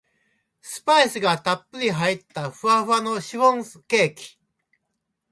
スパイスがたっぷり入ったふわふわのシフォンケーキ